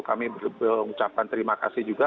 kami mengucapkan terima kasih juga